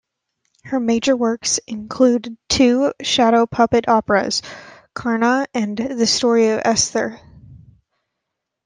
Her major works include two shadow puppet operas: "Karna" and "The Story of Esther".